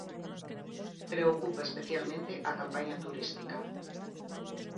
Preocupa especialmente a campaña turística.